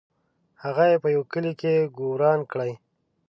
هغه یې په یوه کلي کې ګوروان کړی.